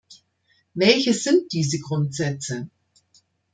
Welches sind diese Grundsätze?